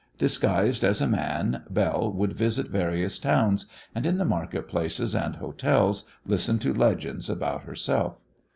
Disguised as a man, Belle would visit various towns, and in the market places and hotels listen to legends about herself.